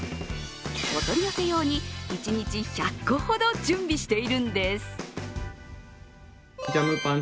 お取り寄せ用に一日１００個ほど準備しているんです。